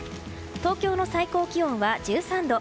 東京の最高気温は１３度。